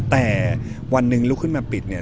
แต่วันหนึ่งลุกขึ้นมาปิดเนี่ย